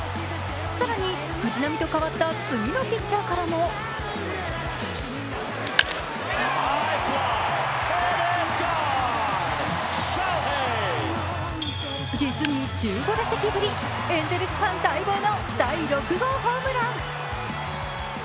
更に藤浪と代わった次のピッチャーからも実に１５打席ぶり、エンゼルスファン待望の第６号ホームラン。